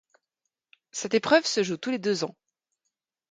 Cette épreuve se joue tous les deux ans.